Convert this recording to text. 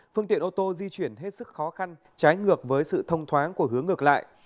phương tiện ô tô di chuyển hết sức khó khăn trái ngược với sự thông thoáng của hướng ngược lại